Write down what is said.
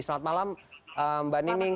selamat malam mbak nining